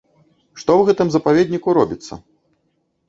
Што ў гэтым запаведніку робіцца?